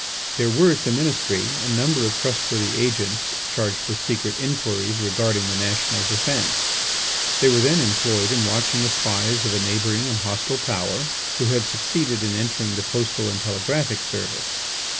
There were at the Ministry a number of trustworthy agents charged with secret inquiries regarding the national defence. They were then employed in watching the spies of a neighbouring and hostile Power who had succeeded in entering the Postal and Telegraphic service.